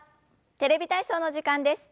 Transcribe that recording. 「テレビ体操」の時間です。